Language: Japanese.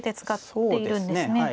そうですねはい。